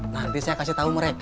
nanti saya kasih tau mereka